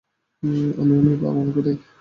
ওমি ওমি আগুন, - কোথায়?